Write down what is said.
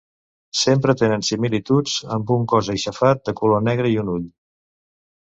Sempre tenen similituds, amb un cos aixafat de color negre i un ull.